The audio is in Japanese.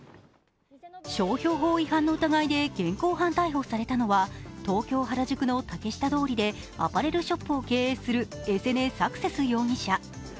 商標法違反の疑いで現行犯逮捕されたのは、東京・原宿の竹下通りでアパレルショップを経営するエセネ・サクセス容疑者。